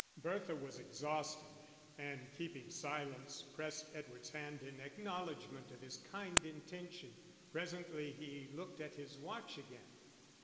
Bertha was exhausted, and, keeping silence, pressed Edward's hand in acknowledgment of his kind intention. Presently he looked at his watch again.